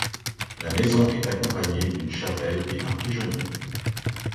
La maison est accompagnée d’une chapelle et d’un pigeonnier.